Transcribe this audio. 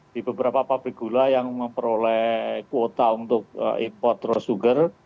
di beberapa pabrik gula yang memperoleh kuota untuk import rose sugar